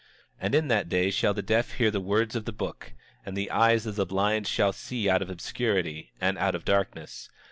27:29 And in that day shall the deaf hear the words of the book, and the eyes of the blind shall see out of obscurity and out of darkness.